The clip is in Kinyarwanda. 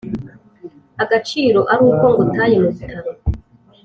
agaciro aruko ngutaye mubitaro